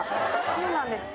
そうなんですか。